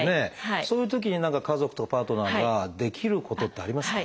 そういうときに家族とかパートナーができることってありますか？